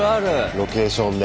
ロケーションで。